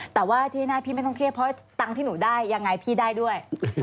แต่ว่าที่แน่พี่ไม่ต้องเครียดเพราะตังค์ที่หนูได้ยังไงพี่ได้ด้วย